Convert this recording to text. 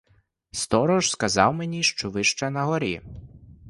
Сторож сказав мені, що ви ще нагорі.